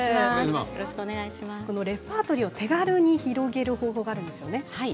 レパートリーを手軽に広げる方法があるんですよね。